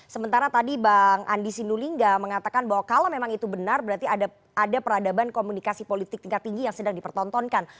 sementara tadi bang andi sinulinga mengatakan bahwa kalau memang itu benar berarti ada peradaban komunikasi politik tingkat tinggi yang sedang dipertontonkan